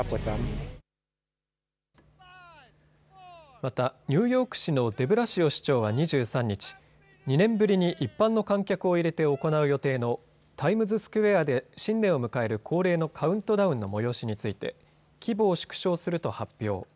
また、ニューヨーク市のデブラシオ市長は２３日、２年ぶりに一般の観客を入れて行う予定のタイムズスクエアで新年を迎える恒例のカウントダウンの催しについて規模を縮小すると発表。